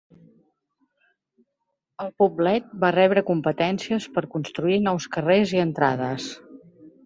El poblet va rebre competències per construir nous carrers i entrades.